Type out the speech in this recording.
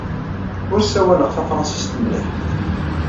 Ur ssawaleɣ tafṛensist mliḥ.